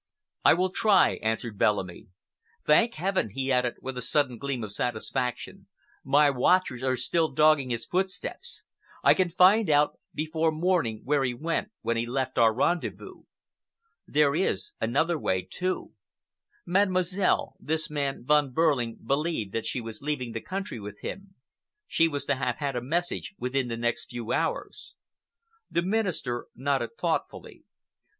"I will try," answered Bellamy. "Thank Heaven!" he added, with a sudden gleam of satisfaction, "my watchers are still dogging his footsteps. I can find out before morning where he went when he left our rendezvous. There is another way, too. Mademoiselle—this man Von Behrling believed that she was leaving the country with him. She was to have had a message within the next few hours." The Minister nodded thoughtfully.